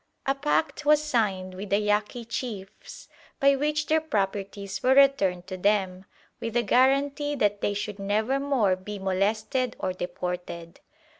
A pact was signed with the Yaqui chiefs by which their properties were returned to them, with the guarantee that they should never more be molested or deported.